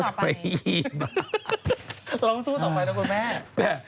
ลองสู้ต่อไปนะคุณแม่